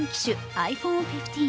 ｉＰｈｏｎｅ１５。